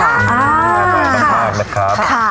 น่ามากกันมากนะครับ